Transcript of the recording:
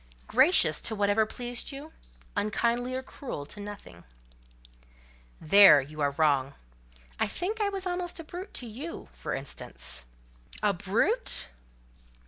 "Gracious to whatever pleased you—unkindly or cruel to nothing." "There you are wrong; I think I was almost a brute to you, for instance." "A brute!